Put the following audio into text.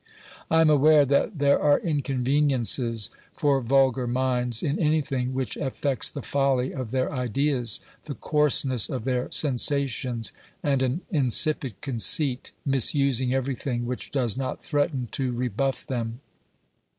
I am aware that there are inconveniences for vulgar minds in anything which affects the folly of their ideas, the coarseness of their sensa tions, and an insipid conceit misusing everything which does not threaten to rebuff them.